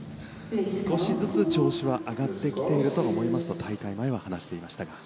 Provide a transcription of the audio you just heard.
少しずつ調子は上がってきていると思いますと大会前は話していました。